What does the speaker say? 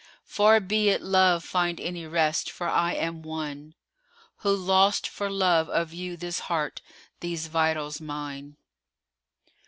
Far be it Love find any rest, for I am one * Who lost for love of you this heart, these vitals mine.